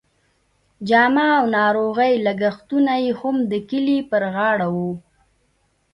جامه او ناروغۍ لګښتونه یې هم د کلي پر غاړه وو.